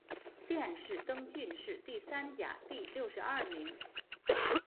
殿试登进士第三甲第六十二名。